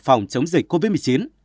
phòng chống dịch covid một mươi chín